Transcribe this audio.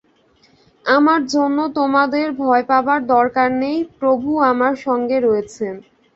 আমার জন্য তোমাদের ভয় পাবার দরকার নেই, প্রভু আমার সঙ্গে রয়েছেন।